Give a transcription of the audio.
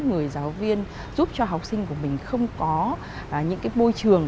người giáo viên giúp cho học sinh của mình không có những cái bôi trường